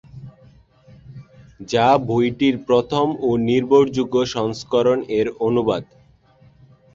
যা বইটির প্রথম ও নির্ভরযোগ্য সংস্করণ এর অনুবাদ।